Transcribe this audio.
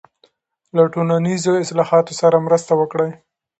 له ټولنیزو اصلاحاتو سره مرسته وکړئ.